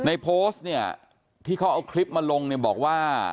ในโพสต์นี่ที่เขาเอาคลิปมาลงบอกว่า